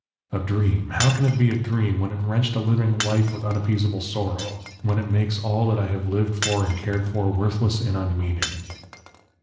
"A dream! How can it be a dream, when it drenched a living life with unappeasable sorrow, when it makes all that I have lived for and cared for, worthless and unmeaning?